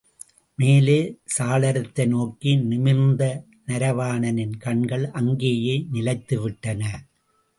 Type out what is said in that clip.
மேலே சாளரத்தை நோக்கி நிமிர்ந்த நரவாணனின் கண்கள் அங்கேயே நிலைத்துவிட்டன.